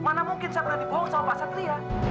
mana mungkin saya pernah dibawa sama pak satria